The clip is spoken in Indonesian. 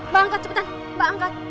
mbak angkat cepetan mbak angkat